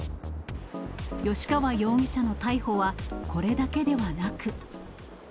由川容疑者の逮捕は、これだけではなく。